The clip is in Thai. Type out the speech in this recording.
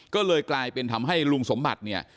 ก็เลยกลายเป็นทำให้ลุงสมบัติเนี่ย